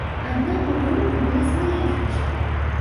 Аднак у групы была свая фішка.